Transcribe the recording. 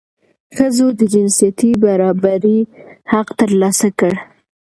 ښځو د جنسیتي برابرۍ حق ترلاسه کړ.